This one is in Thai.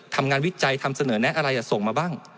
วิจัยทำเสนอแนะอะไรส่งมาบ้าง